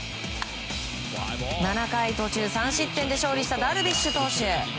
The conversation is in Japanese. ７回途中３失点で勝利したダルビッシュ投手。